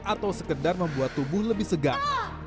atau sekedar membuat tubuh lebih segar